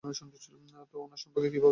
তো, উনার সম্পর্কে কী ভাবছ?